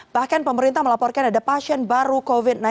bahkan pemerintah melaporkan ada pasien baru covid sembilan belas